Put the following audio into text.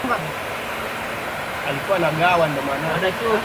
ya kudai kuwa rais wa zamani wa Uganda Idi Amin hakuwa muuaji na mla